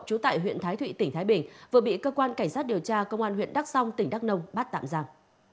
trú tại huyện thái thụy tỉnh thái bình vừa bị cơ quan cảnh sát điều tra công an huyện đắk song tỉnh đắk nông bắt tạm giam